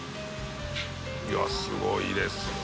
いやすごいですよね。